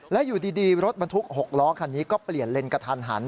และอยู่ดีรถบรรทุก๖ล้อคันนี้ก็เปลี่ยนเลนกระทันหัน